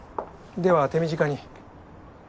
では手短に。